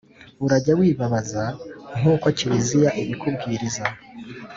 Urajye wibabaza nk’uko Kiliziya ibikubwiriza.